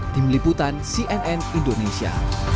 tim liputan cnn indonesia